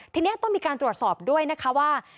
ทีนี้ต้องมีการตรวจสอบด้วยนะคะว่า